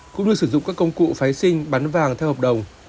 cũng như sử dụng các công cụ phái sinh bán vàng theo hợp đồng